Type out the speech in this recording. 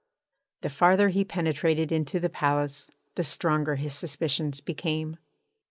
The farther he penetrated into the palace, the stronger his suspicions became.